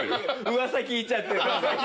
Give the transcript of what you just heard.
うわさ聞いちゃって。